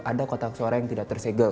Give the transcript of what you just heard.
ada kotak suara yang tidak tersegel